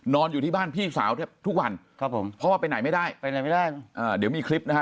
อยู่ที่บ้านพี่สาวแทบทุกวันครับผมเพราะว่าไปไหนไม่ได้ไปไหนไม่ได้เดี๋ยวมีคลิปนะฮะ